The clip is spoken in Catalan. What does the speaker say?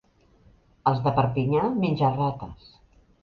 Els de Perpinyà, menja-rates.